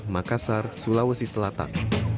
makassar sulawesi selatan